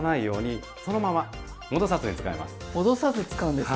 戻さず使うんですか？